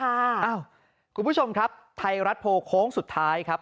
อ้าวคุณผู้ชมครับไทยรัฐโพลโค้งสุดท้ายครับ